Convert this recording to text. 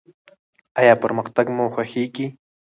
ایا پرمختګ مو خوښیږي؟